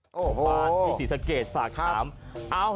โอ้โหทางมาแล้วที่ศรีศรีสเกจฝากตาม